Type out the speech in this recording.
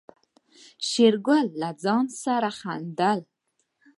شېرګل له ځان سره خندل.